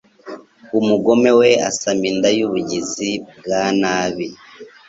Umugome we asama inda y’ubugizi bwa nabi